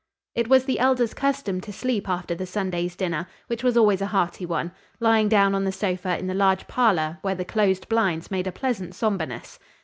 It was the Elder's custom to sleep after the Sunday's dinner, which was always a hearty one, lying down on the sofa in the large parlor, where the closed blinds made a pleasant somberness.